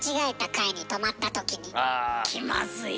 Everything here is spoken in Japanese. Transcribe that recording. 気まずい。